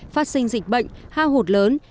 phát sinh dịch bệnh hao hụt lớn